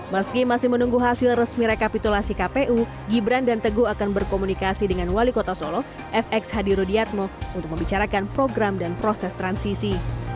meski masih menunggu hasil resmi rekapitulasi kpu gibran dan teguh akan berkomunikasi dengan wali kota solo fx hadi rudiatmo untuk membicarakan program dan proses transisi